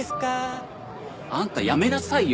あんたやめなさいよ！